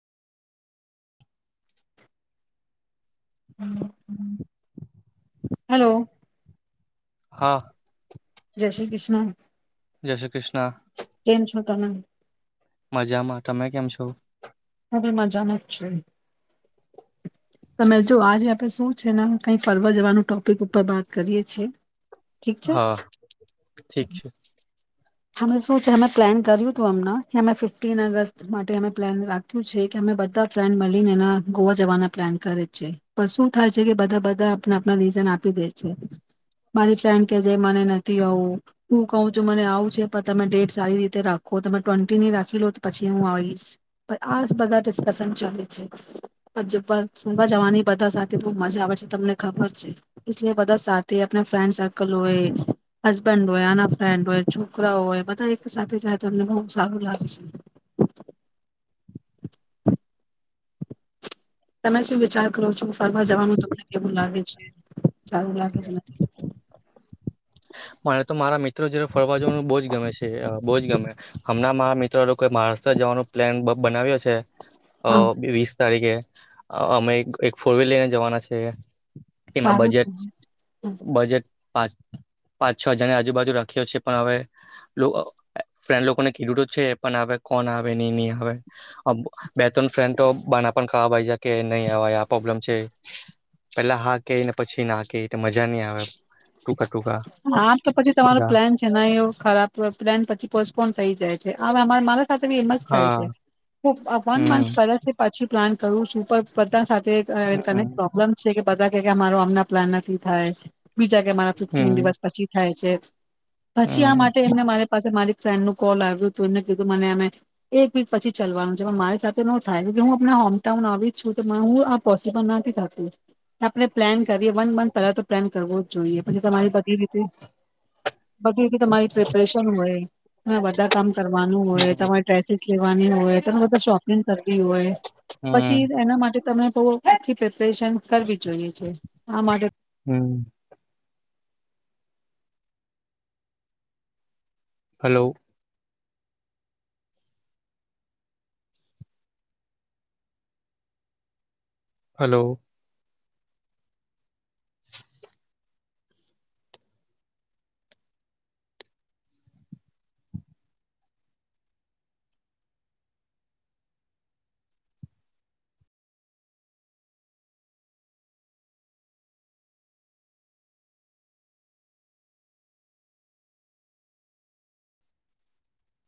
Hello હા જય શ્રી કૃષ્ણ જૈસે કૃષ્ણા કેમ [unintelligible] મજામાં તમે કેમ છો અમે મજામાં જ છીએ તમે જો આજે આપે શું છે કઈ ફરવા જવાનું ટોપિક ઉપર વાત કરીએ છીએ ઠીક છે. હા ઠીક છે. છે અ પ્લાન કર્યું હતું અમના અમે ફિફ્ટન અગસ્ટ માટે અમે પ્લાન રાખ્યું છે કે અમે બધા ફ્રેન્ડ મળીને એના ગોવા જવાના પ્લાન કરે છે પણ શું થાય છે, કે બધા બધા આપને આપ રીઝન આપી દે છે મારી ફ્રેન્ડ કે જે મને નથી આવું હું કહ છું મને આવ તમે ડેટ સારી રીતે રાખો તમે ટ્વેન્ટી ની રાખી લો તો પછી હું આવીશ પણ આ બધા ડિસ્કશન ચાલે છેવા જવાની બધા સાથે બહ મજા આવે છે તમને ખબર છે એટલે બધા સાથે આપ ફ્રેન્ડ સર્કલ હોય હસબન્ડ હોય આના ફ્રેન્ડ હોય. છોકરાઓ હોય બધા એક સાથે જાય તો તમને બહ સારું લાગે છે. [unintelligible] તમે શું વિચાર કરો છો ફરવા જવાનું તમને કેવું લાગે છે સારું લાગે છે નથી. મરે તો મારા મિત્રો જે ફરવા જવાનું બહુ જ ગમે છે બહુજ ગમે હમણાં મારા મિત્રો લોકોઈ મહારાષ્ટ્ર જવાનું પ્લાન બનાવ્યો છે. હા વીસ તારીખે અમે એક ફોર વ્હીલ લઈને જવાના છે. તેમાં સારું બજેટ છે બજેટ પાંચ પાંચ છ હજારની આજુબાજુ રાખ્યો છે, પણ હવે ફ્રેન્ડ લોકોને કીધું છે એ પણ આવે કોણ આવે નહી નહી આવે બે ત્રણ ફ્રેન્ડ તો બાના પણ ખાવા પજે કે નહી આવે આ પ્રોબ્લેમ છે, પેલા હા કેને પછી ના કે મજા નહી આવે ટુકા ટુકા હા તો પછી તમારો પ્લાન છે ને એ ખરાબ પ્લાન પછી પો પોન જાય છે હવે અમારા માણસ એમજ થાય છે હા વન મંથ હમ પરછી પ્લાન કરવું સુપર બધા સાથે તે ક કને હમ પ્રોબ્લેમ છે કે બતા કે કે મારો અમના પ્લાન નથી થાય. [unintelligible] મા ફિફ્ટીન હમ દિવસ પછી થાય. છે પછી આ હમ માટે એમને મારી પાસે મારી ફ્રેન્ડ નું કોલ આવ્યું તું એમને કી મને અમે એક વીક પછી ચલવાનું છે પણ મારી સાથે ન થાય કે હું આપણા હોમટાઉન આવી જ છું તો હું આ પોસિબલ ના થતું આપણે પ્લાન કરીએ વન મંથ પેલા તો પ્લાન કરવો જોઈએ. પછી તમારી બધી રીતે તમારી પ્રિપરેશન હોય. હા બધા કામ કરવાનું હોય હમ તમારે ટ્રેફિક લેવાની હોય તને બધા શોપિંગ કરતી હોય પછી હમ એના માટે તમે તો આખી પ્રેપરેશન કરવી જોઈએ છે. આ માટે હમ્મ. હાલો. હાલો.